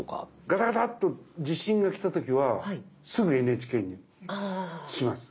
ガタガタっと地震が来た時はすぐＮＨＫにします。